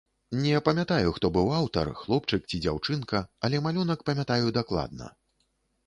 Не памятаю, хто быў аўтар, хлопчык ці дзяўчынка, але малюнак памятаю дакладна.